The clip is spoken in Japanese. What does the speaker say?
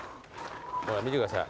ほら見てください。